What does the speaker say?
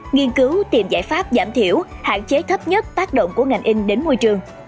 nghiên cứu tìm giải pháp giảm thiểu hạn chế thấp nhất tác động của ngành in đến môi trường